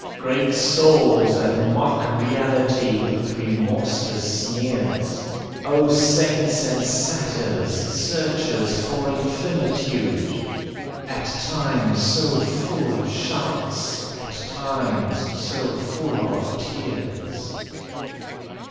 Great souls that mock Reality with remorseless sneers, O saints and satyrs, searchers for infinitude! At times so full of shouts, at times so full of tears!